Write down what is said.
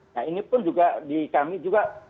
nah ini pun juga di kami juga